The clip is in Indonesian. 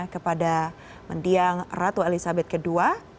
kepada mendiang ratu elizabeth ii